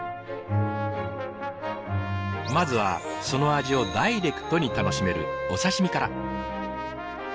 まずはその味をダイレクトに楽しめるお刺身から。